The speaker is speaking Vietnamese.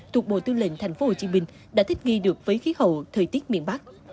thuộc bộ tư lệnh tp hcm đã thích nghi được với khí hậu thời tiết miền bắc